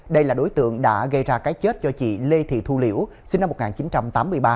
đây là đối tượng đã gây ra cái chết cho chị lê thị thu liễu sinh năm một nghìn chín trăm tám mươi ba